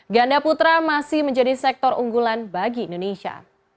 ganda putra masih menjadi sektor unggulan bagi indonesia